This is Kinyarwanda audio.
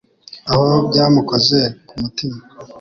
aho byamukoze ku mutima